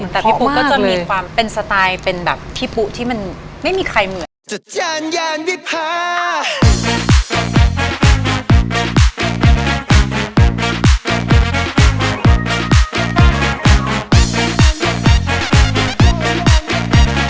แต่พี่ปุ๊ก็จะมีความเป็นสไตล์เป็นแบบพี่ปุ๊ที่มันไม่มีใครเหมือนจานยานวิพา